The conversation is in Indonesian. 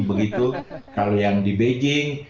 begitu kalau yang di beijing